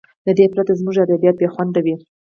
له ده پرته زموږ ادبیات بې خونده وي.